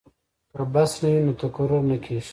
که بست نه وي نو تقرر نه کیږي.